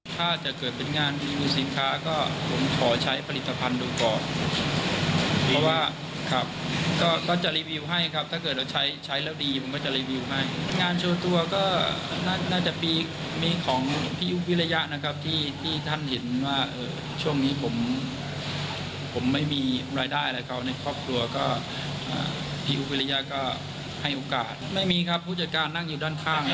ถ้าจะเกิดเป็นงานรีวิวสินค้าก็ผมขอใช้ผลิตภัณฑ์ดูก่อนเพราะว่าครับก็ก็จะรีวิวให้ครับถ้าเกิดเราใช้ใช้แล้วดีผมก็จะรีวิวให้งานโชว์ตัวก็น่าจะปีมีของพี่ยุควิริยะนะครับที่ที่ท่านเห็นว่าช่วงนี้ผมผมไม่มีรายได้อะไรเขาในครอบครัวก็พิววิริยะก็ให้โอกาสไม่มีครับผู้จัดการนั่งอยู่ด้านข้าง